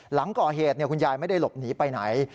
หลังก่อเหตุคุณยายไม่ได้หลบหนีไปไหน